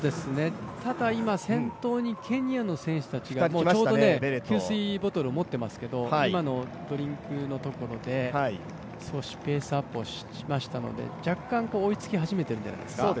今、先頭にケニアの選手たちが給水ボトルを持っていますけど、今のドリンクのところで、少しペースアップをしましたので若干追いつき始めているんじゃないですか。